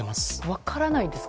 分からないですか？